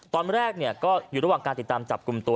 ตอนแรกก็อยู่ระหว่างการติดตามจับกลุ่มตัว